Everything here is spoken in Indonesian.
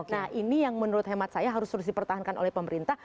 nah ini yang menurut hemat saya harus terus dipertahankan oleh pemerintah